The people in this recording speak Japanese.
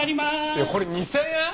いやこれ２０００円！？